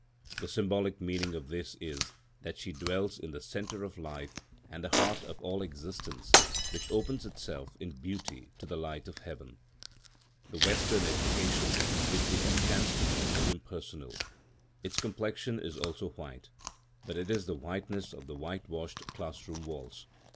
The symbolic meaning of this is, that she dwells in the centre of life and the heart of all existence, which opens itself in beauty to the light of heaven. The Western education which we have chanced to know is impersonal. Its complexion is also white, but it is the whiteness of the white washed class room walls.